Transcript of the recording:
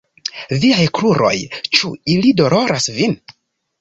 Viaj kruroj? Ĉu ili doloras vin?